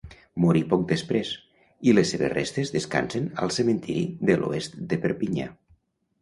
Morí poc després, i les seves restes descansen al cementiri de l'Oest de Perpinyà.